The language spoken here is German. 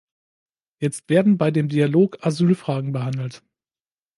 Jetzt werden bei dem Dialog Asylfragen behandelt.